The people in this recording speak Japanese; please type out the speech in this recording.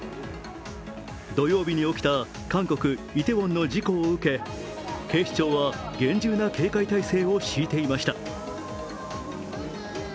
土曜日に起きた韓国・イテウォンの事故を受け、警視庁は厳重な警戒態勢を敷いていました。